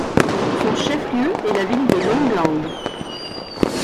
Son chef-lieu est la ville de Longleng.